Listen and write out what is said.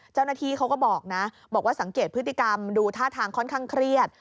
เจ้าหน้าที่เขาก็บอกนะบอกว่าสังเกตพฤติกรรมดูท่าทางค่อนข้างเครียด